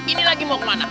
ini lagi mau kemana